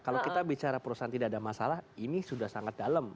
kalau kita bicara perusahaan tidak ada masalah ini sudah sangat dalam